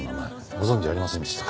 ご存じありませんでしたか？